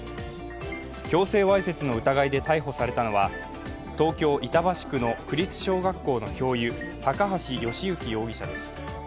強制わいせつの疑いで逮捕されたのは東京・板橋区の区立小学校の教諭、高橋慶行容疑者です。